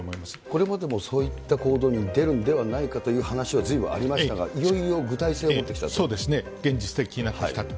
これまでもそういった行動に出るんではないかという話はずいぶんありましたが、そうですね、現実的になってきた。